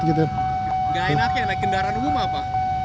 nggak enak ya naik kendaraan umum apa